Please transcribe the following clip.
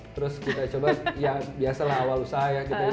terus kita coba yang biasalah awal usaha ya